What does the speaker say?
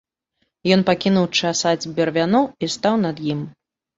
Ён пакінуў часаць бервяно і стаў над ім.